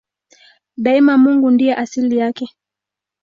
Daima Mungu ndiye asili yake.